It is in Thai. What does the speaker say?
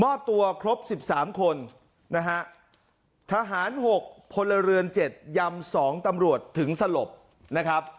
ตัวครบสิบสามคนนะฮะทหาร๖พลเรือนเจ็ดยำสองตำรวจถึงสลบนะครับ